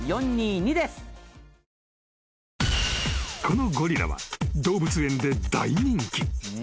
［このゴリラは動物園で］